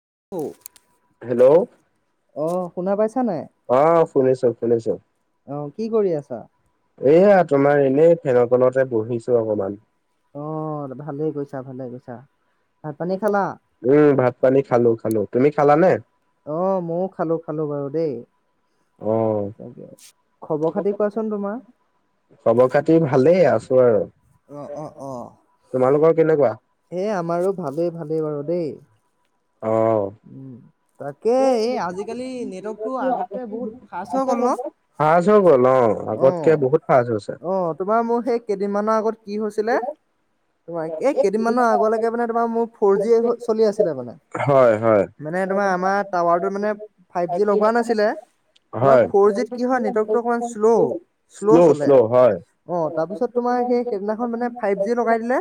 [unintelligible] Hello অ' শোনিছো শোনিছো। অ', কি কৰি আছা? এইয়া, তোমাৰ এনেই ফেনৰতলতে বহিছো অকমান। অ', ভালেই কৰিছা, ভালেই কৰিছা। উম, ভাত পানী খালো খালো। তুমি খালানে? অ', মইও খালো, খালো বাৰু দেই। খবৰ খাতি কোৱাচোন তোমাৰ অ'অ' অ', এই আমাৰো ভালেই, ভালেই বাৰু দেই। অ'। উম, তাকে এই আজিকালি নেটৱৰ্কটো আগতকে বহুত ফাষ্ট হৈ গ'ল নহ? অ', অ', তোমাৰ মোৰ সেই কেইদিনমানৰ আগত কি হৈছিলে তোমাৰ [unintelligible] এই কেইদিনমানৰ আগলৈকে মানে, তোমাৰ মোৰ ফ'ৰ জি চলি আছিলে মানে। মানে তোমাৰ আমাৰ টাৱাৰটো মানে, ফাইভ জি লগোৱা নাছিলে। তোমাৰ ফ'ৰ জিত কি হয়, নেটৱৰ্কটো অকমান শ্ল'-শ্ল' চলে। অ', তাৰপিছত তোমাৰ সেই সেইদিনাখন মানে, ফাইভ জি লগাই দিলে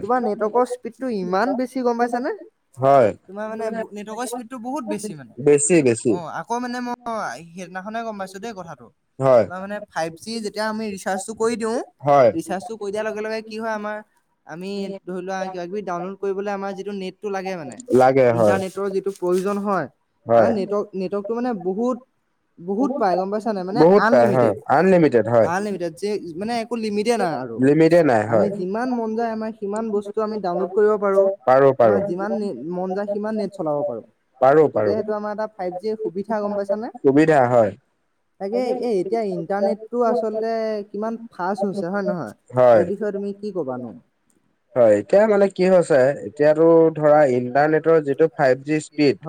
তোমাৰ নেটৱৰ্কৰ স্পীডটো ইমান বেছি গম পাইছানে, তোমাৰ মানে নেটৱৰ্কৰ স্পীডতটো বহুত বেছি মানে। অ', আকৌ মানে মই সেইদিনাখনে গম পাইছো দেই কথাটো তোমাৰ মানে, ফাইভ জি যেতিয়া আমি ৰিচাৰ্জটো কৰি দিওঁ ৰিচাৰ্জটো কৰি দিয়াৰ লগে লগে কি হয়, আমাৰ আমি ধৰি লোৱা কিবা কিবি ডাউনলোড কৰিবলে আমাৰ যিটো নেটটো লাগে মানে, ইন্টাৰনেট যিটো প্ৰয়োজন হয় নেটৱৰ্ক নেটৱৰ্কতটো মানে বহুত বহুত পাই গম পাইছা নাই, মানে আনলিমিটেড। আনলিমিটেড [unintelligible] মানে, একো লিমিটে নাই। আৰু, আমি যিমান মন যাই আমাৰ সিমান বস্তু আমি ডাউনলোড কৰিব পাৰো। তোমাৰ যিমান নেট মন যায়, সিমান নেট চলাব পাৰো। গতিকে, সেইটো আমাৰ এটা ফাইভ জিৰ সুবিধা। গম পাইছানে? তাকে এ এতিয়া ইণ্টাৰনেটতো আচলতে, কিমান ফাষ্ট হৈছে হয়নে নহয়? এই বিষয়ে তুমি কি কবা নো? হয়, এতিয়া মানে কি হৈছে, এতিয়াতো ধৰা ইণ্টাৰনেটৰ যিটো ফাইভ জি স্পীড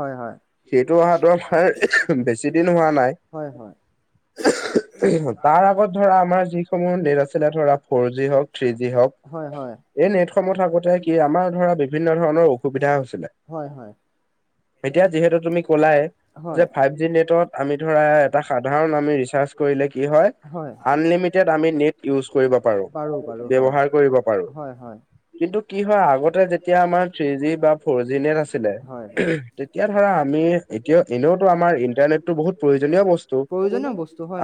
সেইটো হোৱাটো আমাৰ বেছি দিন হোৱা নাই। তাৰ আগত ধৰা আমাৰ যিসমূহ নেট আছিলে, ধৰা ফ'ৰ জি হওক থ্ৰি জি হওক এই [unintelligible] থাকোঁতে, কি আমাৰ ধৰা বিভিন্ন ধৰণৰ অসুবিধা হৈছিলে। হয়, হয়। [inaudible] কি হয় আনলিমিড আমি নট ইজ কৰিব পাৰো ব্যৱহাৰ কৰিব পাৰো হয় হয় কিন্তু কি হয় আগতে যেতিয়া আমাৰ থ্ৰী জি বা ফ'ৰ জি নেট আছিলে হয় তেতিয়া ধৰা আমি এতিয়া এনেওতো আমাৰ ইন্টাৰনেটটো বহুত প্ৰয়োজনীয় বস্তু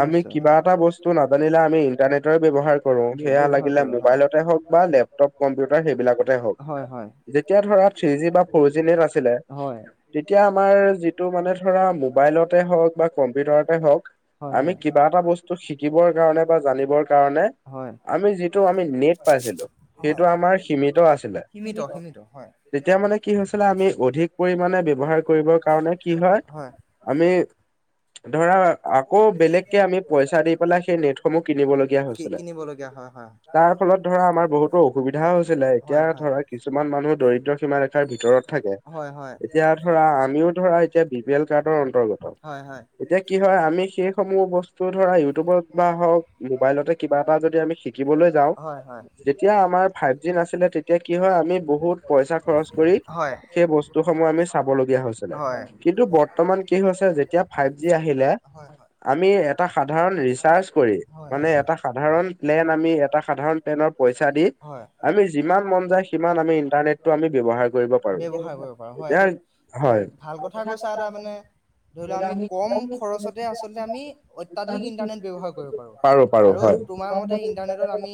আমি কিবা এটা বস্তু নাজানিলে আমি ইণ্টাৰনেটৰে ব্যৱহাৰ কৰোঁ সেয়া লাগিলে মোবাইলতে হওক বা লেপ ল কম্পিউটাৰ সেইবিলাকতে হওক যেতিয়া ধৰা থ্ৰী জি বা ফ'ৰ জি নেট আছিলে হয় তেতিয়া আমাৰ যিটো মানে ধৰা মোবাইলতে হওঁক বা কম্পিউটাৰতে হওক হয় হয় হয় আমি যিটো আমি নেট পাইছিলো সেইটো আমাৰ সীমিত আছিলে তেতিয়া মানে কি হৈছিলে আমি অধিক পৰিমামানে ব্যৱহাৰ কৰিবৰ কাৰণে কি হয় আমি ধৰা আকৌ বেলেগকে আমি পইচা দি পেলাই সেই নেটসমূহ কিনিব লগগীয়া হৈছিলে হয় হয় [unintelligible] হয় হয়। হয় হয় এতিয়া ধৰা আমিও ধৰা এতিয়া বি পি এল কাৰ্ডৰ অন্তৰ্গত এতিয়া কি হয় আমি সেইসমূহ বস্তু ধৰা ইউটিউবত বা হওক মোবাইলতে কিবা এটা যদি আমি। শিকিবলৈ যাওঁ যেতিয়া আমাৰ ফাইভ জি নাছিলে তেতিয়া কি হয় আমি বহুত পইচা খৰচ কৰি [unintelligible] আমি চাবল হৈছিলে কিন্তু বৰ্তমান কি হৈছে যেতিয়া ফাইভ জি আহিলে আমি এটা সাধাৰণ ৰিচাৰ্চ কৰি মানে এটা সাধাৰণ প্লেন আমি এটা সাধাৰণ পইচা দি আমি যিমান মন যায় সিমান আমি ইন্টাৰনেটটো আমি ব্ৱহাৰ কৰিব পাৰো হয় এইটোত ভাল কথা কৈছা এটা মানে ধৰি লও আমি কম খৰচতে আচলতে আমি অত্যাধিক ইন্টাৰনেট ব্য্ৱহাৰ কৰিব পাৰো আৰু। তোমাৰ মতে ইন্টাৰনেটত আমি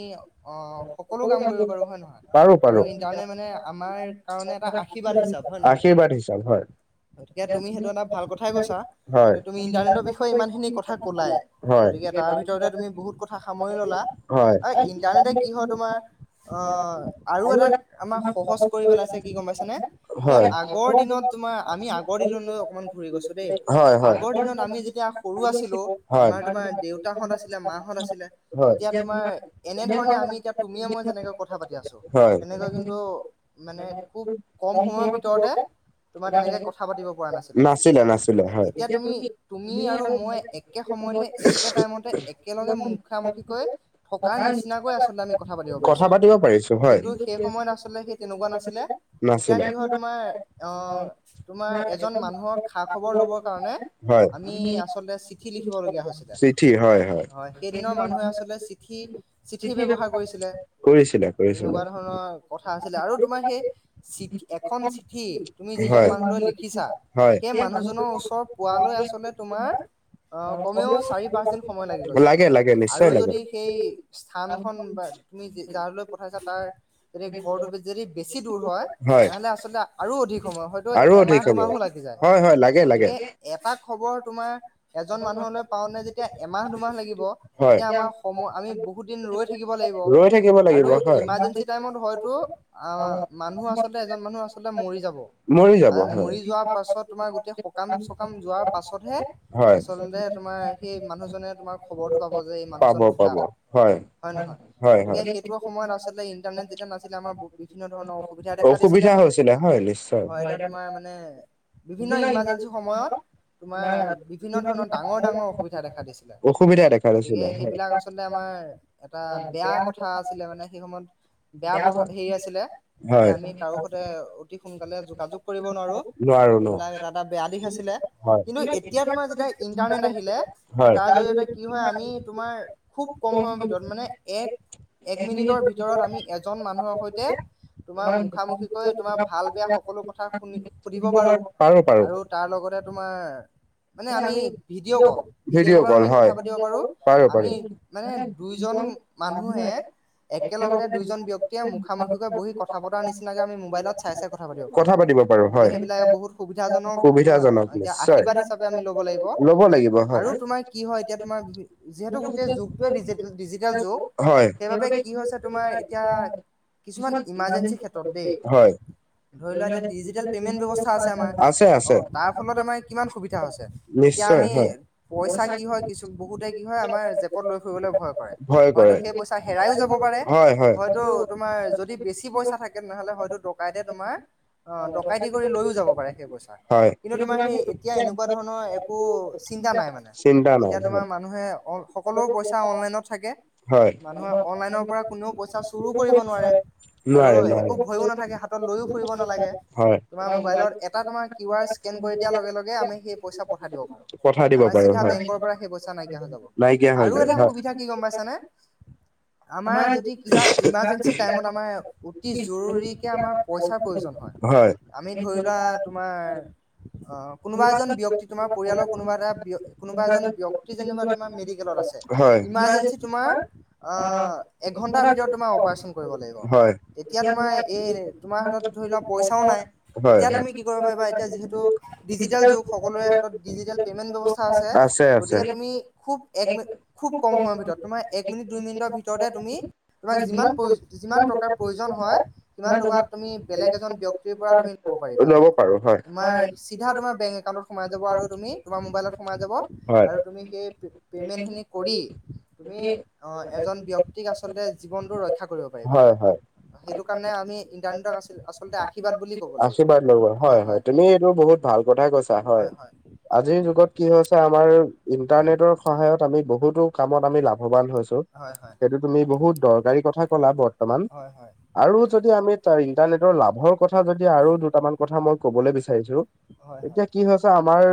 অ সকলো কাম কৰিব পাৰো হয়ে নহয় আৰু ইন্টাৰনেট মানে আমাৰ কাৰণে এটা আশীৰ্বাদ হিচাপ হয় আশীৰ্বাদ হিচাপ হয় হয় হয় তাৰ ভিতৰতে তুমি বহুত কথা সামৰি ললা ইণ্টাৰনেটে কি হয় তোমাৰ অ আৰু এটা আমাক সহজ কৰি পেলাইছে কি গম পাইছানে সেই আগৰ দিনত তোমাৰ আমি আগৰ দিনলৈ অকনমান ঘুৰি গৈছো দেই আগৰ দিনত আমি যেতিয়া সৰু আছিলো আমাৰ তোমাৰ দেউতাহঁত আছিলে মাহত আছিলে তেতিয়া তোমাৰ এনে ধৰণে আমি এতিয়া তুমি মই যেনেকে কথা পাতি আছো তেনেকৈ কিন্তু মানে খুব কম সময়ৰ ভিতৰত তোমাৰ তেনেকে কথা পাতিব পৰা নাছিলে এতিয়া তুমি তুমি আৰু মই একে। সময়তে একে টাইমতে একেলগে মুখামুখিকৈ থকাৰ নিচিনাকৈ আচলতে আমি কথা পাতিব কিন্তু সেই সময়ত আচতে সেই তেনেকুৱা নাছিলে নাছিলে ম অ তোমাৰ এজন মানুহৰ খা খবৰ লবৰ কাৰণে আমি আচলতে চিঠি লিিব হৈছিল হয় সেইদিনৰ মানুহে আচল চিঠি চিঠি ব্য্ৱহাৰ কৰিছিলে তেনেকুৱা ধৰণৰ কথা আছিলে আৰু তোমাৰ সেই চিঠি এখন চিঠি তুমি যিজন মানুহলৈ লিখিছা সেই মানুহজনৰ ওচৰ পোৱালৈ আচলতে তোমাৰ অ কমেও চাৰি পাঁচ দিন সময় লাগি গৈছে আৰু যদি সেই স্থানখন বা তুমি যাৰ লৈ পঠাইছা তাৰ যদি ঘৰটো যদি বেছি দূৰ হয় তেনেহলে আচলতে আৰু অধিক সময় হয়তো এমাহ দুমাহো লাগি যায় গতিকে এটা খবৰ তোমাৰ এজন মানুহলৈ পাওনে যেতিয়া এমাহ দুমাহ লাগিব তেতিয়া আমাৰ সময় আমি বহুত দিন ৰৈ থাকিব লাগিব আৰু ইমাৰজেঞ্চি টাইমত হয়তো মানুহ আচলতে এজন মানুহ আচলতে মৰি যাব আৰু মৰি যোৱাৰ পাছত তোমাৰ গোটেই সকাম চকাম যোৱাৰ পাছতহে আচলতে তোমাৰ সেই মানুহজনে তোমাৰ খবৰটো পাব যে এই মানুহজন ঢুকাল হয় নহয় গতিকে সেইটো সময়ত আচলতে ইন্টাৰনেট যেতিয়া নাছিলে আমাৰ বিভিন্ন ধৰণৰ অসুবিধা দেখাত পাইছিলে হয় নিশ্চয় বিভিন্ন ইমাৰজেঞ্চি সময়ত তোমাৰ বিভিন্ন ধৰণৰ ডাঙৰ ডাঙৰ অসুবিধা দেখা দিছিলে। গতিকে সেইবিলাক আচলতে আমাৰ [unintelligible] এটা বেয়া কথা আছিলে মানে সেই সময়ত বেয়া প্ৰভাৱ হেৰি আছিলে যে আমি কাৰো অতি সোনকালে যোগাযোগ কৰিব নোৱাৰো সেইবিলাক এটা এটা বেয়া দিশ আছিলে কিন্তু এতিয়া তোমাৰ যেতিয়া ইন্টাৰনেট আহিলে তাৰ জৰিয়তে কি হয় আমি তোমাৰ খুব। কম সময়ৰ ভিতৰত মানে এক এক মিনিটৰ ভিতৰত আমি এজন মানুহৰ সৈতে তোমাৰ ভাল বেয়া সকলো কথা শুনি সুধিব পাৰোঁ আৰু তাৰ লগতে তোমাৰ মানে আমি ভিডিঅ' কল ভিডিঅ' কলত আমি কথা পাতিব পাৰো আমি মানে দুইজন মানুহে একেলগতে দুইজন ব্যক্তিয়ে মুখামুখিকৈ বহি কথা পতাৰ নিচিনা আমি মোবাইলত চাই চাই কথা পাতিব পাৰো। গতিকে সেইবিলাক বহুত সুবিধাজনক তোমাৰ এতিয়া আশীৰ্বাদ হিচাপে [unintelligible] আৰু তম কি হয় এতি যিহেতু গোটেই বি দে পি হয়। [unintelligible] হয়। [inaudible] হৈছে এতিয়া আমি পইচা কি হয় কিছু বহুতে কি হয় আমাৰ জেপত লৈ ফুৰিবলৈ ভয় কৰে। হয়তো সেই পইচা হেৰাইও যাব পাৰে হয়তো তোমাৰ যদি বেছি পইচা থাকে। নহ'লে হয়তো ডকাইতে তোমাৰ অ ডকাইতি কৰি লৈও যাব পাৰে সেই পইচা কিন্তু তোমাৰ সেই এতিয়া এনেকুৱা ধৰণৰ একো চিন্তা নাই মানে এতিয়া তোমাৰ মানুহে সকলো পইচা অনলাইন। মানুহে অনলাইনৰ পৰা কোনেও পইচা চুৰো কৰিব নোৱাৰে নোৱাৰে নোৱাৰে। একো ভয়ো নাথাকে হাতত লৈয়ও ফুৰিব নালাগে। তোমাৰ মোবাইলত এটা তোমাৰ কিউ আৰ স্কেন কৰি দিয়াৰ লগে লগে সেই পইচা পঠ দিব পাৰো। আমাৰ চিধা বেংকৰ পৰা সেই পইচা নাইকিয়া হৈ যাব। আৰু এটা সুবিধা কি গম পাইছানে আমাৰ যদি কিবা ইমাৰ্জেঞ্চি টাইমত আমাৰ অ জৰুৰীকে আমি ধৰি লোৱা তোমাৰ অ কোনোবা এজন ব্যক্তি তোমাৰ পৰিয়ালৰ কোনোবা এটা কোনোবা এজন ব্যক্তি যেনা তোমাৰ মেডিকেলত আছে। ইমাঞ্জেনছি তোমাৰ এঘণ্টা ভিতৰত অপ্ৰৰেচন কৰিব লাগিব। তেতিয়া তোমাৰ এই তোমাৰ হাতত ধৰি লওক পইচাও নাই তেতিয়া তুমি কি কৰিব পাৰিবা এতিয়া যিহেতু ডিজিটেল যুগ সকলোৰে হাতত ডিজিটেল পে'মেণ্ট ব্যৱস্থা আছে গতিকে তুমি খুব একম খুব কম সময়ৰ ভিতৰত তোমাৰ এক মিনিট দুই মিনিটৰ ভিতৰতে তুমি তোমাক যিমান যিমান প্ৰয়োজন হয় কিমান টকা তুমি বেলেগ এজন ব্যক্তিৰ পৰা তুমি লব পাৰিবা হয়, হয়। চিধা তোমাৰ বেংক একাউটতত সোমাই যাব আৰু তুমি তোমাৰ মোবাইলতোাই যাব আৰু তুমি সেইে পে'মেণ্টখিনিক কৰি তুমি এজন ব্যক্তিক আচলতে জীৱনটো ৰক্ষা কৰিব পাৰিবা সেইটো কাৰণে আমি ইণ্টাৰনেট আচল আশীৰ্বাদ বুলি ক'ব লাগিব হয়, হয়। এই এইটো বহুত ভাল কথা কৈছা হয়। আজিৰ যুগত কি হৈছে আমাৰ ইন্টাৰনেটৰ সহায়ত আমি বহুতো কামত আমি লাভবান হৈছো। সেইটো তুমি বহুত দৰকাৰী কথা কলা ব্ত হয়, হয়। আৰু যদি আমি তাৰ ইন্টাৰনেটৰ লাভৰ কথা যদি আৰু দুটামান কথা মই কবলৈ বিচাৰিছো। এতিয়া কি হয় চাও আমাৰ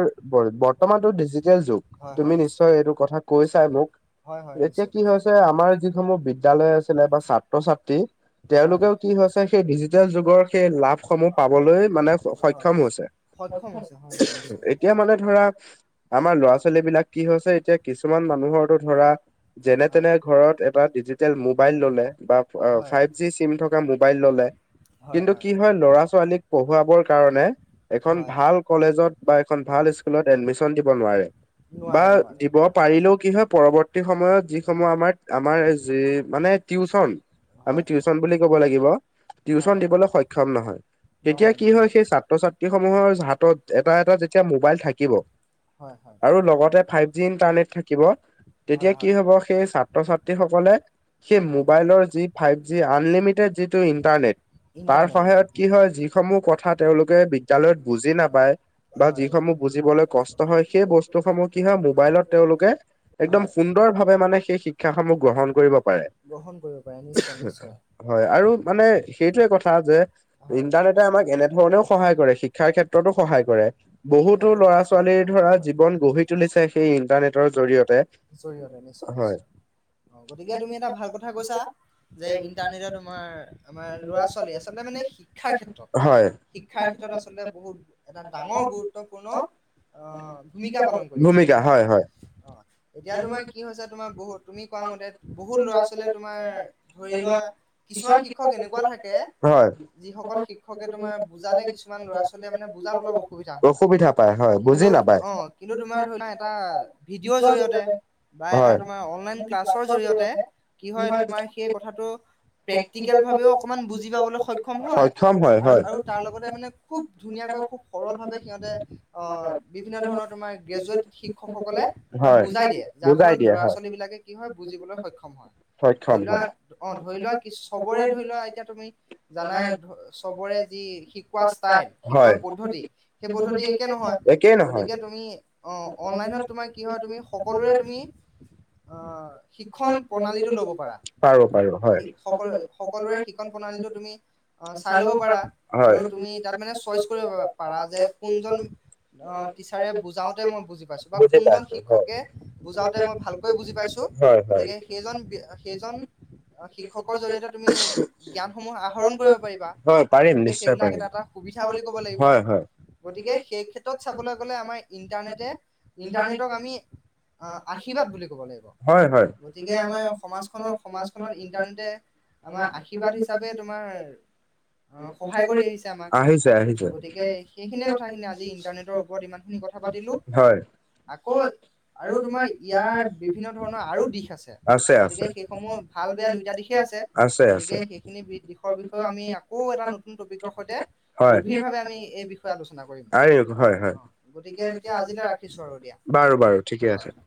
বৰ্তমানতটো ডিজিটেল যুগ তুমি নিশ্চয় এইটো কথা কৈছা। এতিয়া কি হৈছে আমাৰ যিসমূহ বিদ্যালয় আছিলে বা ছাত্ৰ ছাত্ৰী। তেওঁলোকেও কি হৈছে সেই ডিজিটেল যুগৰ সেই লাভসমূহ পাবলৈ মানে সক্ষম হৈছে। এতিয়া মানে ধৰা আমাৰ লৰা ছোৱালী বিলাক কি হৈছে এতিয়া কিছুমান। মানুহৰ তু ধৰা যেনে তেনে ঘৰত এটা ডিজিটেল মোবাইল ললে। ফাইভ জি চিম থকা মোবাইল ললে কিন্তু কি হয় ল'ৰা ছোৱালীক পঢ়ুৱাবৰ কাৰণে, এখন ভাল কলেজত বা এখন ভাল স্কুলত এডমিশন দিব নোৱাৰে। বা দিব পাৰিলেও কি হয় পৰৱৰ্তী সময়ত যিসমূহ আমাৰ আমাৰ যি মানে। টিউচন আমি টিউচন ক'ব লাগিব টিউচন দিবলৈ সক্ষম নহয় তেতিয়া কি হয় সেই ছাত্ৰ ছাত্ৰী। লি সমূহৰ হাতত এটা এটা যেতিয়া মোবাইল থাকিব। আৰু লগতে ফাইভ জি ইণ্টাৰনেট থাকিব। তেতিয়া কি হ'ব সেই ছাত্ৰ-ছাত্ৰীসকলে সেই মোবাইলৰ জি ফাইভ জি আনলিমিটেড যিটো ইন্টাৰনেট। তাৰ সহায়ত কি হয় যিসমূহ কথা তেওঁলোকে বিদ্যালয়ত বুজি নাপায়। বা যিসমূহ বুজিবলৈ কষ্ট হয় সেই বস্তুসমূহ কি হয় মোবাইলত তেওঁলোকে একদম সুন্দৰ ভাৱে মানে সেই শিক্ষাসমূহ গ্ৰহণ কৰিব পাৰে। গ্ৰহণ কৰিব পাৰি হয় আৰু মানে সেইটোৱে কথা যে ইণ্টাৰনেটে আমাক এনেধৰণেও সহায় কৰে। শিক্ষাৰ ক্ষেত্ৰতো সহায় কৰে বহুতো ল'ৰা-ছোৱালীৰ ধৰা জীৱন গঢ়ি তুলিছে সেই ইন্টাৰনেটৰ ৰ জৰিয়তে জৰিয়তে, নিশ্চয়, নিশ্চয় অ', গতিকে তুমি এটা ভাল কথা কৈছা। যে ইণ্টাৰনেটত তোমাৰ আমাৰ ল'ৰা-ছোৱালী আচলতে মানে শিক্ষাৰ ক্ষেত্ৰত হয় শিক্ষাৰ ক্ষেত্ৰত আচল বহুত এটা ডাঙৰ গুৰুত্বপূৰ্ণ অহ, ভূমিকা পালন কৰি আছে, হয় নহয়। অ', এতিয়া তোমাৰ কি হৈছে তোমাৰ বহুত তুমি কোৱা মতে বহুত ল'ৰা-ছোৱালীয়ে তোমাৰ ধৰি লোৱা কিছুমান শিক্ষক এনেকুৱা থাকে যিসকল শিক্ষকে তোমাৰ বুজালে কিছুমান ল'ৰা-ছোৱালীয়ে মানে বুজাত অলপ অসুবিধা হয় কিন্তু অ', কিন্তু তোমাৰ ধৰি লোৱা এটা ভিডিঅ'ৰ জৰিয়তে বা এটা তোমাৰ অনলাইন ক্লাছৰ জৰিয়তে কি হয় তোমাৰ সেই কথাটো প্ৰেক্টিকেল ভাৱেও অকমান বুজি পাবলৈ সক্ষম হয় আৰু আৰু তাৰ লগতে মানে খুব ধুনীয়া খুব সৰল ভাৱে সিহঁতে অহ, বিভিন্ন ধৰণৰ তোমাৰ গ্ৰেজুৱেট শিক্ষকসকলে বুজাই দিয়ে যাৰ ফলত ল'ৰা-ছোৱালীবিলাকে কি হয় বুজিবলৈ সক্ষম হয়, ধৰি লোৱা অ', ধৰি লোৱা কি চবৰে ধৰি লোৱা এতিয়া তুমি জানাই চবৰে যি শিকোৱা ষ্টাইল, শিকোৱা পদ্ধতি সেই পদ্ধতি একে নহয় গতিকে তুমি অ', অনলাইনত তোমাৰ কি হয় তুমি সকলোৰে তুমি। শিক্ষণ প্ৰণালীটো লব পাৰা। সকলো সকলোৰে শিক্ষন প্ৰণালীটো তুমি অ চাই ল'ব পাৰা আৰু তুমি তুমি তাত মানে চইচ কৰিব পাৰা যে কোনজন। অ', টিচাৰে বুজাওতে মই বুজি পাইছো বা কোনজন শিক্ষকে বুজাওতে মই ভালকৈ বুজি পাইছো। গতিকে সেইজন সেইজন, অ' শিক্ষকৰ জৰিয়তে তুমি জ্ঞানসমূহ আহৰণ কৰিব পাৰিবা গতিকে সেইবিলাক এটা এটা সুবিধা বুলি কব লাগিব গতিকে সেই ক্ষেত্ৰত চাবলৈ গলে আমাৰ ইণ্টাৰনেটে ইণ্টাৰনেটক আমি অ' আশীৰ্বাদ বুলি ক'ব লাগিব। হয়, হয় গতিকে আমাৰ সমাজখন। সমাজখনত ইণ্টাৰনেটে আমাৰ আশীৰ্বাদ হিচাপে তোমাৰ অ', সহায় কৰি আহিছে আমাক গতিকে সেইখিনিয়ে কথাখিনি আজি ইন্টাৰনেটৰ ওপৰত ইমান খিনি কথা পাতিলো আকৌ আৰু তোমাৰ ইয়াৰ বিভিন্ন ধৰণৰ আৰু দিশ আছে গতিকে সেই মোৰ ভাল বেয়া দুয়োটা দিশে আছে। গতিকে সেইখিনি দিশৰ বিষয়েও আমি আকৌ এটা নতুন টপিকৰ গভীৰ ভাৱে আমি এই বিষয়ে আলোচনা কৰিম অ গতিকে তেতিয়া আজিলৈ ৰাখিছো। বাৰু দিয়া হয়।